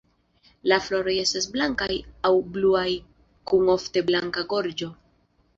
La floroj estas blankaj aŭ bluaj kun ofte blanka gorĝo.